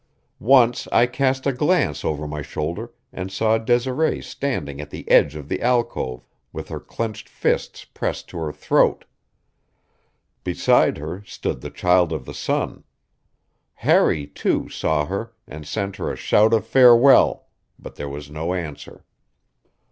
Once I cast a glance over my shoulder and saw Desiree standing at the edge of the alcove with her clenched fists pressed to her throat. Beside her stood the Child of the Sun. Harry, too, saw her and sent her a shout of farewell, but there was no answer.